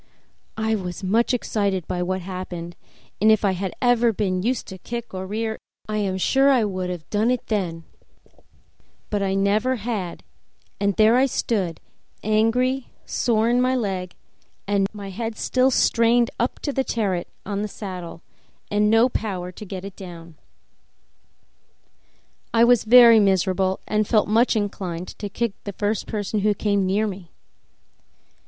I was much excited by what had happened, and if I had ever been used to kick or rear I am sure I should have done it then; but I never had, and there I stood, angry, sore in my leg, my head still strained up to the terret on the saddle, and no power to get it down. I was very miserable and felt much inclined to kick the first person who came near me.